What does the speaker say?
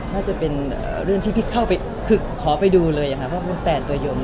น่าจะเป็นเรื่องที่พี่เข้าไปคือขอไปดูเลยค่ะเพราะมัน๘ตัวยม